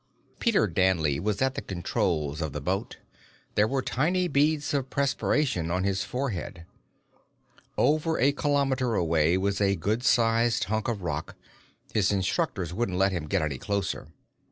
Peter Danley was at the controls of the boat. There were tiny beads of perspiration on his forehead. Over a kilometer away was a good sized hunk of rock; his instructors wouldn't let him get any closer.